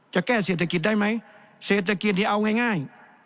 จะแก้เศรษฐกิจได้ไหมเศรษฐกิจนี้เอาง่าย